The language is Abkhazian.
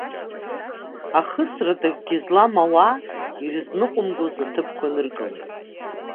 Ахысрада акгьы злам ауаа, ирызныҟәымгоз аҭыԥқәа ныркылеит.